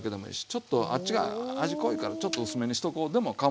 ちょっとあっちが味濃いからちょっと薄めにしとこうでもかまわないんですよ。